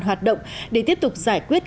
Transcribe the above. hoạt động để tiếp tục giải quyết